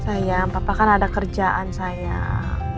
sayang papa kan ada kerjaan sayang